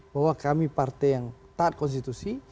bahwa kami partai yang taat konstitusi